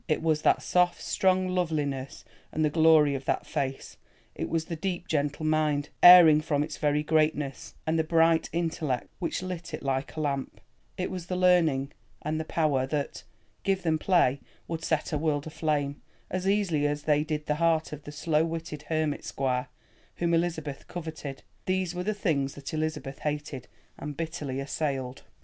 It was that soft strong loveliness and the glory of that face; it was the deep gentle mind, erring from its very greatness, and the bright intellect which lit it like a lamp; it was the learning and the power that, give them play, would set a world aflame, as easily as they did the heart of the slow witted hermit squire, whom Elizabeth coveted—these were the things that Elizabeth hated, and bitterly assailed.